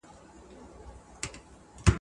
چي د زرکي سوې نارې ویل قیامت دی !.